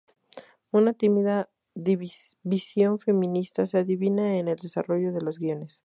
Una tímida visión feminista se adivina en el desarrollo de los guiones.